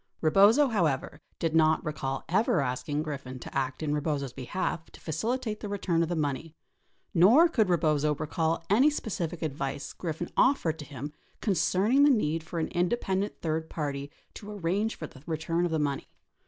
Rebozo, however, did not recall ever asking Griffin to act in Rebozo's behalf to facilitate the return of the money, nor could Rebozo recall any specific advice Griffin offered to him concerning the need for an independent third party to arrange for the return of the money.